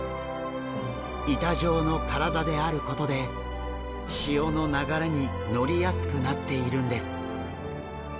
板状の体であることで潮の流れに乗りやすくなっているんです。